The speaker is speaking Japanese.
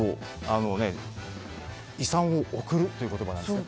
遺産を贈るという言葉なんです。